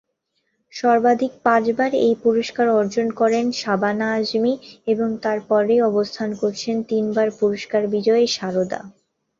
সর্বাধিক পাঁচবার এই পুরস্কার অর্জন করেন শাবানা আজমি এবং তার পরই অবস্থান করছেন তিনবার পুরস্কার বিজয়ী শারদা।